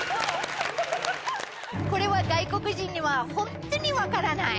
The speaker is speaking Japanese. これは外国人にはホントに分からない。